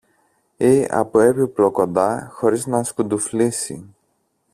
ή από έπιπλο κοντά χωρίς να σκουντουφλήσει.